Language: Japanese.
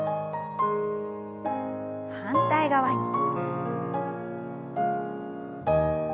反対側に。